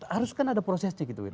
harus kan ada prosesnya gitu